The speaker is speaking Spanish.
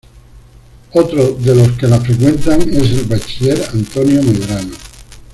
Otro de los que la frecuentan es el bachiller Antonio Medrano.